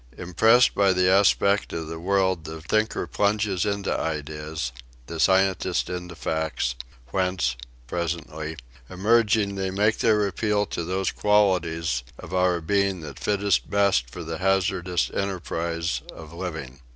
Impressed by the aspect of the world the thinker plunges into ideas, the scientist into facts whence, presently, emerging they make their appeal to those qualities of our being that fit us best for the hazardous enterprise of living.